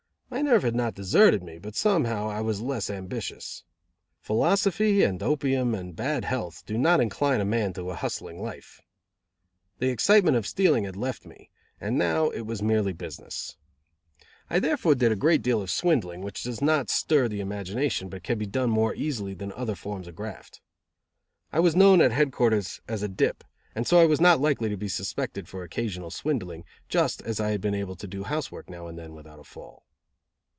My nerve had not deserted me, but somehow I was less ambitious. Philosophy and opium and bad health do not incline a man to a hustling life. The excitement of stealing had left me, and now it was merely business. I therefore did a great deal of swindling, which does not stir the imagination, but can be done more easily than other forms of graft. I was known at headquarters as a dip, and so I was not likely to be suspected for occasional swindling, just as I had been able to do house work now and then without a fall.